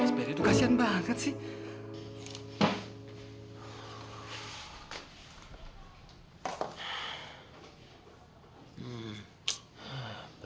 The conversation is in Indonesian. mas beri tuh kasihan banget sih